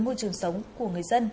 môi trường sống của người dân